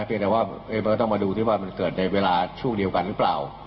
เพียงแต่ว่ามันก็ต้องมาดูที่ว่ามันเกิดในเวลาช่วงเดียวกันหรือเปล่า